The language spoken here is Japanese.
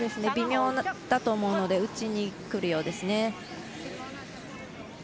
微妙だと思うので打ちにくるようですね。